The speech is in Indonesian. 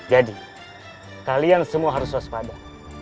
jadi kalian semua harus waspada